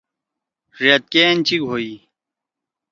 ڙأت کے أنچِک ہوئی۔